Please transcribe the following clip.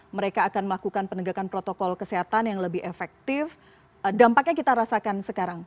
mereka akan melakukan penegakan protokol kesehatan yang lebih efektif dampaknya kita rasakan sekarang